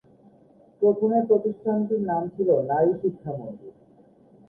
প্রথমে প্রতিষ্ঠানটির নাম ছিল নারী শিক্ষা মন্দির।